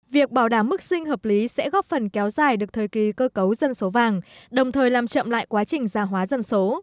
việc bảo đảm mức sinh hợp lý sẽ góp phần kéo dài được thời kỳ cơ cấu dân số vàng đồng thời làm chậm lại quá trình gia hóa dân số